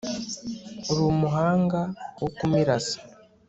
Uri umuhanga wo kumiraza